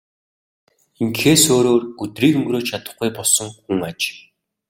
Ингэхээс өөрөөр өдрийг өнгөрөөж чадахгүй болсон хүн аж.